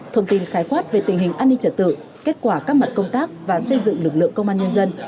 thông tin khái quát về tình hình an ninh trật tự kết quả các mặt công tác và xây dựng lực lượng công an nhân dân